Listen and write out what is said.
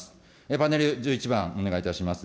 パネル１１番お願いいたします。